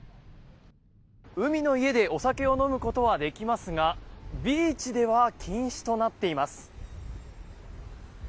海の家でお酒を飲むことはできますがビーチでは禁止となっています。